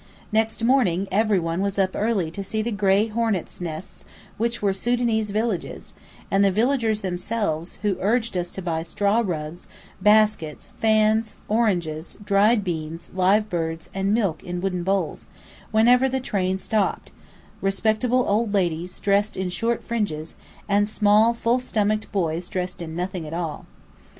Next morning, every one was up early to see the gray hornets' nest huts which were Sudanese villages, and the villagers themselves, who urged us to buy straw rugs, baskets, fans, oranges, dried beans, live birds, and milk in wooden bowls, whenever the train stopped: respectable old ladies, dressed in short fringes, and small, full stomached boys dressed in nothing at all.